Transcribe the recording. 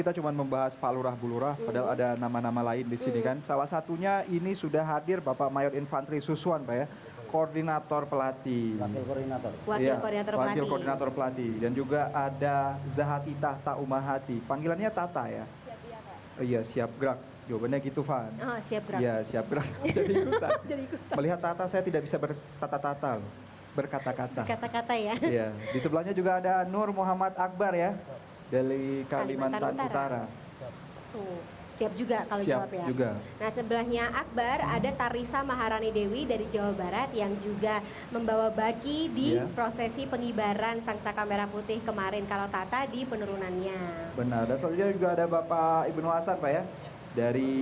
ibn wasar pak ya dari